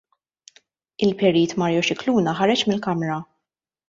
Il-Perit Mario Scicluna ħareġ mill-Kamra.